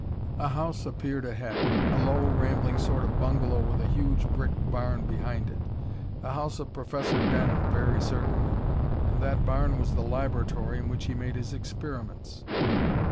A house appeared ahead. A low, rambling sort of bungalow with a huge brick barn behind it. The house of Professor Denham, very certainly, and that barn was the laboratory in which he made his experiments.